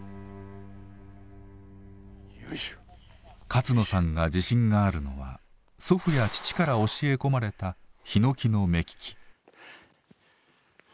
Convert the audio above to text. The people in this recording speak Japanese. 勝野さんが自信があるのは祖父や父から教え込まれたひのきの目利き。